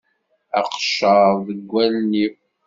Aqeccaḍ deg wallen-im!